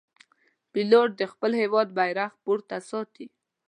پیلوټ د خپل هېواد بیرغ پورته ساتي.